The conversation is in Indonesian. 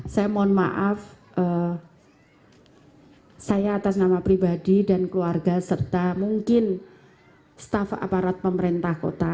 saya mohon maaf saya atas nama pribadi dan keluarga serta mungkin staff aparat pemerintah kota